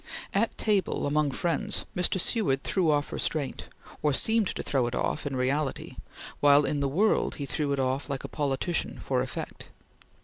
At table, among friends, Mr. Seward threw off restraint, or seemed to throw it off, in reality, while in the world he threw it off, like a politician, for effect.